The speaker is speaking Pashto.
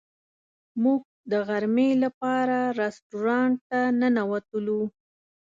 موږ د غرمې لپاره رسټورانټ ته ننوتلو.